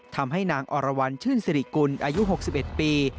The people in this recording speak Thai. ทำให้นางอรวรรณชื่นสิริกุลอายุ๖๑ปี